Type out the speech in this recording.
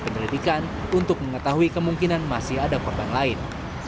penyelidikan untuk mengetahui kemungkinan masih ada korban lain